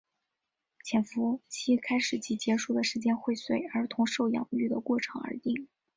潜伏期开始及结束的时间会随儿童受养育的过程而定。